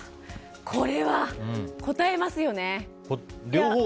これはこたえますよね。